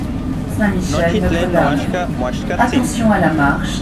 Nochi tlen noaxka moaxkatsin.